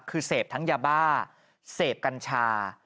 คือเสพทั้งยาบ้าเสพกัญชา